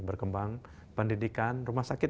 berkembang pendidikan rumah sakit